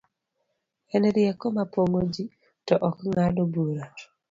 en rieko ma pogo ji, to ok ng'ado bura